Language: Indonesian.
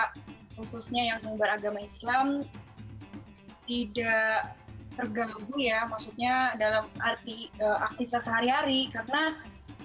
khususnya yang beragama islam tidak terganggu ya maksudnya dalam arti aktivitas sehari hari karena